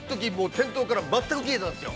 店頭から全く消えたんですよ。